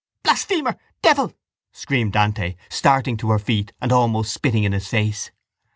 —Blasphemer! Devil! screamed Dante, starting to her feet and almost spitting in his face.